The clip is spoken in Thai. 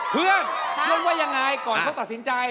เพื่อนเพื่อนว่ายังไงก่อนเขาตัดสินใจ